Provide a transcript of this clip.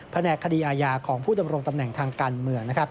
แหนกคดีอาญาของผู้ดำรงตำแหน่งทางการเมือง